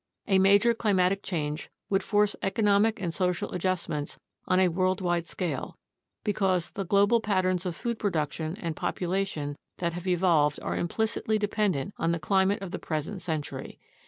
A major climatic change would force economic and social adjustments on a worldwide scale, because the global patterns of food production and population that have evolved are implicitly dependent on the climate of the present century.